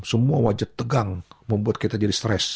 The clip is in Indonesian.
semua wajah tegang membuat kita jadi stres